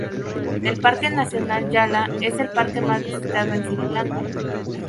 El Parque nacional Yala es el parque más visitado en Sri Lanka.